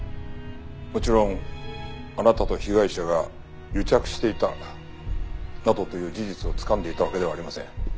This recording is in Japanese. もちろんあなたと被害者が癒着していたなどという事実をつかんでいたわけではありません。